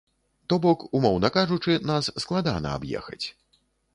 То бок, умоўна кажучы, нас складана аб'ехаць.